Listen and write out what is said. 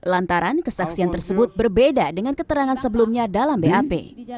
lantaran kesaksian tersebut berbeda dengan keterangan sebelumnya dalam bap